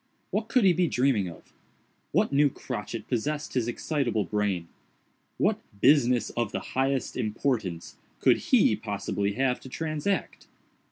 What could he be dreaming of? What new crotchet possessed his excitable brain? What "business of the highest importance" could he possibly have to transact?